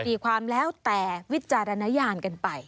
ดีความแล้วแต่วิจารณญาณกันไป